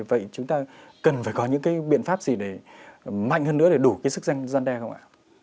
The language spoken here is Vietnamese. vậy chúng ta cần phải có những cái biện pháp gì để mạnh hơn nữa để đủ cái sức gian đe không ạ